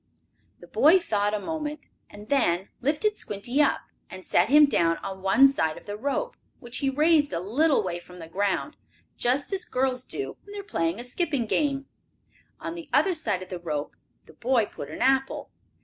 The boy thought a moment, and then lifted Squinty up, and set him down on one side of the rope, which he raised a little way from the ground, just as girls do when they are playing a skipping game. On the other side of the rope the boy put an apple.